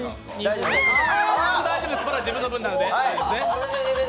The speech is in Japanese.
大丈夫です、まだ自分の分なので。